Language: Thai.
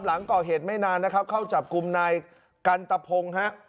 หลังก่อเหตุไม่นานนะครับเข้าจับกลุ่มนายกันตะพงฮะ